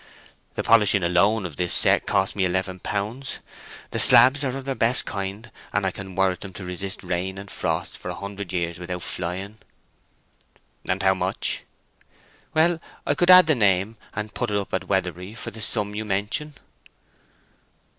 The polishing alone of the set cost me eleven pounds—the slabs are the best of their kind, and I can warrant them to resist rain and frost for a hundred years without flying." "And how much?" "Well, I could add the name, and put it up at Weatherbury for the sum you mention."